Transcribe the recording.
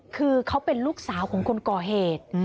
คือเขาเป็นลูกสาวของคนก่อเหตุ